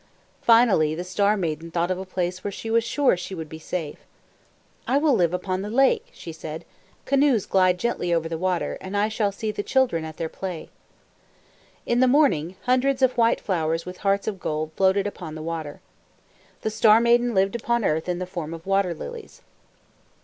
Finally the Star Maiden thought of a place where she was sure she would be safe. "I will live upon the lake," she said. "Canoes glide gently over the water, and I shall see the children at their play." In the morning, hundreds of white flowers with hearts of gold floated upon the water. The Star Maiden lived upon earth in the form of water lilies.